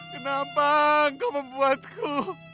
kenapa kamu membuatku